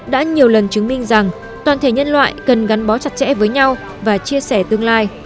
đã nhiều lần chứng minh rằng toàn thể nhân loại cần gắn bó chặt chẽ với nhau và chia sẻ tương lai